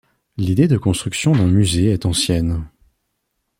L’idée de construction d’un musée est ancienne.